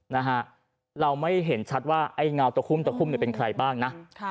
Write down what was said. นะฮะเราไม่เห็นชัดว่าไอ้เงาตะคุ่มตะคุ่มเนี่ยเป็นใครบ้างนะ